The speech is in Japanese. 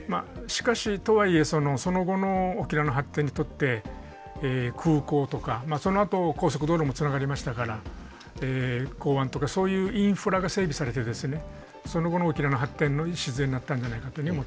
しかしとはいえそのその後の沖縄の発展にとって空港とかそのあと高速道路もつながりましたから港湾とかそういうインフラが整備されてその後の沖縄の発展の礎になったんじゃないかというふうに思っております。